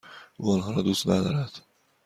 او آنها را دوست ندارد.